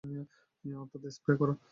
অর্থাৎ স্প্রে করা।